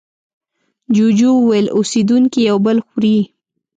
جوجو وویل اوسېدونکي یو بل خوري.